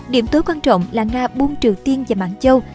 điểm tối quan trọng là nga buông triều tiên và mạng châu